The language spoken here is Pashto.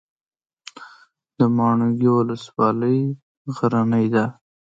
د ماڼوګي ولسوالۍ غرنۍ ده